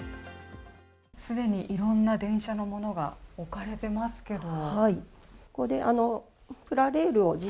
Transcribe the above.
既にいろんな電車のものが置かれてますけど。